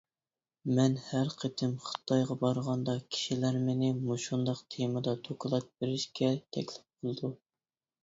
مەن ھەر قېتىم خىتايغا بارغاندا كىشىلەر مېنى مۇشۇنداق تېمىدا دوكلات بېرىشكە تەكلىپ قىلىدۇ.